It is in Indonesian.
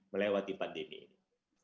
melewati pandemi ini